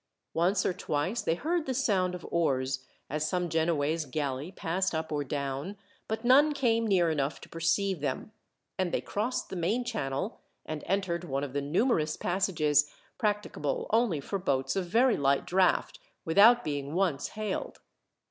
Once or twice they heard the sound of oars, as some Genoese galley passed up or down, but none came near enough to perceive them, and they crossed the main channel, and entered one of the numerous passages practicable only for boats of very light draught, without being once hailed.